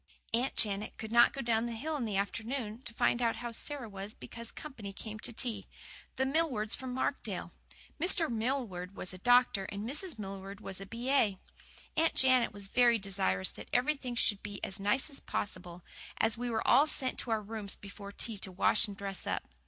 Aunt Janet could not go down the hill in the afternoon to find out how Sara was because company came to tea the Millwards from Markdale. Mr. Millward was a doctor, and Mrs. Millward was a B.A. Aunt Janet was very desirous that everything should be as nice as possible, and we were all sent to our rooms before tea to wash and dress up.